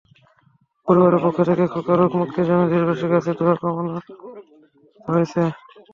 পরিবারের পক্ষ থেকে খোকার রোগমুক্তির জন্য দেশবাসীর কাছে দোয়া কামনা করা হয়েছে।